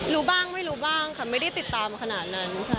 รู้บ้างไม่รู้บ้างค่ะไม่ได้ติดตามขนาดนั้นค่ะ